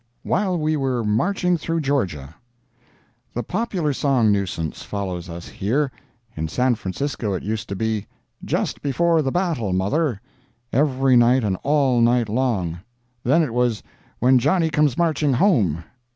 "WHILE WE WERE MARCHING THROUGH GEORGIA!" The popular song nuisance follows us here. In San Francisco it used to be "Just Before the Battle Mother," every night and all night long. Then it was "When Johnny Comes Marching Home."